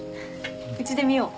うちで見よう。